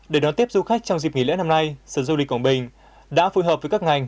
để đón tiếp du khách trong dịp nghỉ lễ năm nay sở du lịch quảng bình đã phối hợp với các ngành